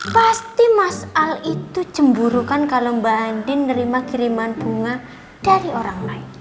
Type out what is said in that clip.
pasti masal itu cemburu kan kalo mbak andin nerima kiriman bunga dari orang lain